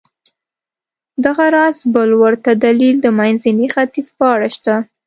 دغه راز بل ورته دلیل د منځني ختیځ په اړه شته.